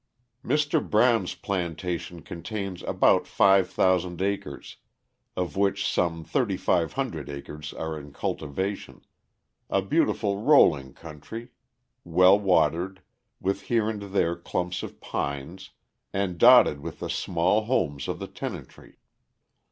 Mr. Brown's plantation contains about 5,000 acres, of which some 3,500 acres are in cultivation, a beautiful rolling country, well watered, with here and there clumps of pines, and dotted with the small homes of the tenantry.